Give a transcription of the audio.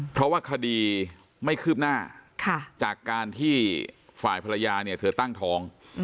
เพราะว่าคดีไม่คืบหน้าจากการที่ฝ่ายภรรยาเนี่ยเธอตั้งท้อง